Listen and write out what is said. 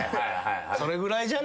それぐらいじゃないと。